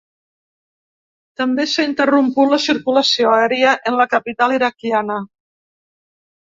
També s’ha interromput la circulació aèria en la capital iraquiana.